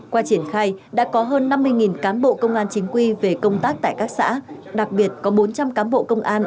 qua triển khai đã có hơn năm mươi cán bộ công an chính quy về công tác tại các xã đặc biệt có bốn trăm linh cán bộ công an